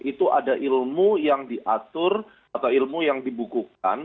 itu ada ilmu yang diatur atau ilmu yang dibukukan